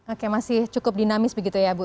oke masih cukup dinamis begitu ya bu